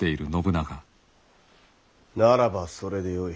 ならばそれでよい。